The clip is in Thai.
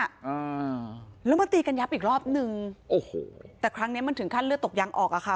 อ่าแล้วมาตีกันยับอีกรอบหนึ่งโอ้โหแต่ครั้งเนี้ยมันถึงขั้นเลือดตกยังออกอ่ะค่ะ